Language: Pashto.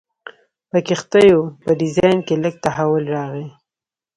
په کښتیو په ډیزاین کې لږ تحول راغی.